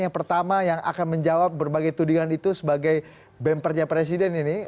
yang pertama yang akan menjawab berbagai tudingan itu sebagai bempernya presiden ini